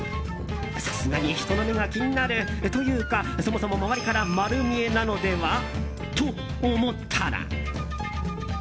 さすがに人の目が気になるというかそもそも周りから丸見えなのではと思ったら。